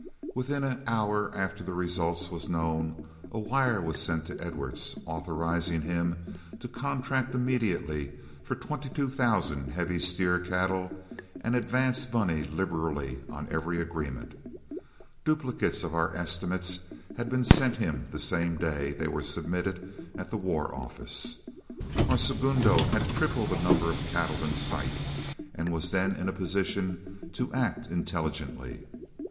Within an hour after the result was known, a wire was sent to Edwards, authorizing him to contract immediately for twenty two thousand heavy steer cattle and advance money liberally on every agreement. Duplicates of our estimates had been sent him the same day they were submitted at the War Office. Our segundo had triple the number of cattle in sight, and was then in a position to act intelligently.